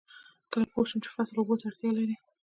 کله پوه شم چې فصل اوبو ته اړتیا لري؟